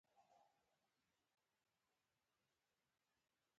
هغه وایي چې زموږ وطن ښایسته ده